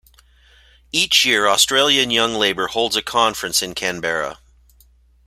Each year Australian Young Labor holds a conference in Canberra.